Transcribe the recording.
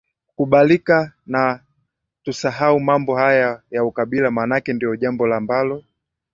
kubalika na tusahau mambo haya ya ukabila maanake ndio jambo ambalo